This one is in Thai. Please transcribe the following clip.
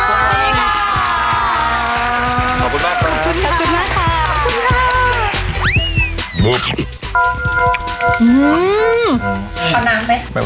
ขอบคุณมากครับ